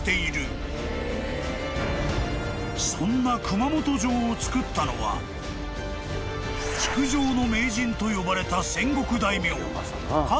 ［そんな熊本城を造ったのは築城の名人と呼ばれた］